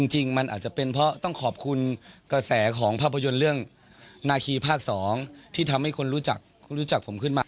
จริงมันอาจจะเป็นเพราะต้องขอบคุณกระแสของภาพยนตร์เรื่องนาคีภาค๒ที่ทำให้คนรู้จักผมขึ้นมา